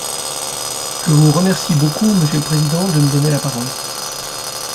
Je vous remercie beaucoup, monsieur le président, de me donner la parole.